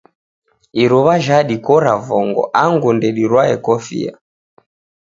Iruwa jhadikora vongo angu ndedirwae kofia